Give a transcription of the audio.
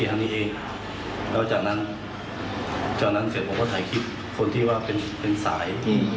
แล้วจากนั้นผมก็ถ่ายคลิปกับคนที่เป็นสาย